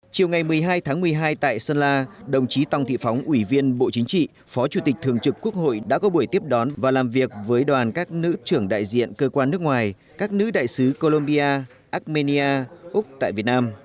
chiều ngày một mươi hai tháng một mươi hai tại sơn la đồng chí tòng thị phóng ủy viên bộ chính trị phó chủ tịch thường trực quốc hội đã có buổi tiếp đón và làm việc với đoàn các nữ trưởng đại diện cơ quan nước ngoài các nữ đại sứ colombia armenia úc tại việt nam